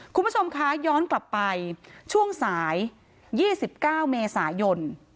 คุณผู้ชมคะย้อนกลับไปช่วงสาย๒๙เมษายน